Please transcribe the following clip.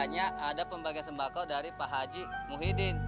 katanya ada pembagian sembako dari pak haji muhyiddin